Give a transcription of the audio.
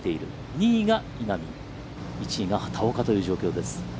２位が稲見、１位が畑岡という状況です。